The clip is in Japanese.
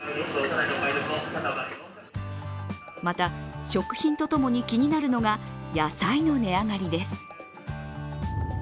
また、食品と共に気になるのが野菜の値上がりです。